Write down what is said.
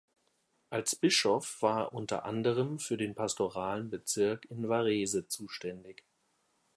Als Bischof war er unter anderem für den pastoralen Bezirk in Varese zuständig.